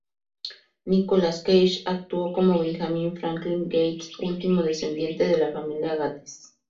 Nicolas Cage actúa como Benjamin Franklin Gates, último descendiente de la familia Gates.